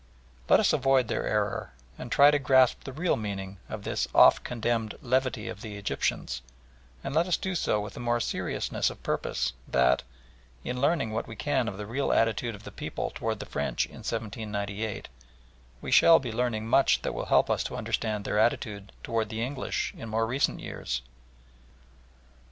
Let us avoid their error, and try to grasp the real meaning of this oft condemned "levity" of the Egyptians, and let us do so with the more seriousness of purpose that, in learning what we can of the real attitude of the people towards the French in 1798, we shall be learning much that will help us to understand their attitude towards the English in more recent years.